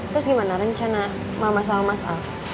terus gimana rencana mama sama mas al